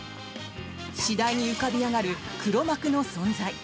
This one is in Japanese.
次第に浮かび上がる黒幕の存在。